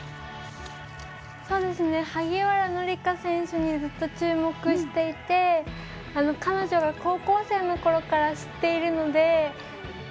萩原紀佳選手にずっと注目していて彼女が高校生のころから知っているので。